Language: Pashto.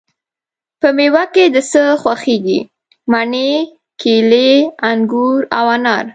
په میوه کی د څه خوښیږی؟ مڼې، کیلې، انګور او انار